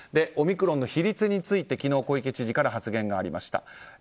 オミクロンの比率について昨日、小池知事から発言がありました。